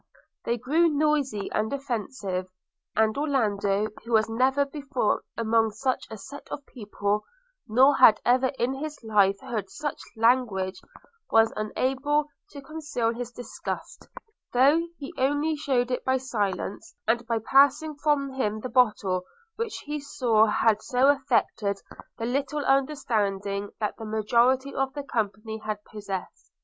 They grew noisy and offensive, and Orlando, who was never before among such a set of people, nor had ever in his life heard such language, was unable to conceal his disgust, though he only shewed it by silence, and by passing from him the bottle which he saw had so affected the little understanding that the majority of the company had possessed.